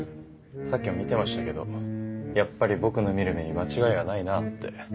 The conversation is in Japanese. さっきも見てましたけどやっぱり僕の見る目に間違いはないなって。